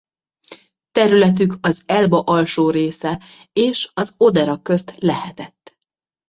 Területük az Elba alsó része és az Odera közt lehetett.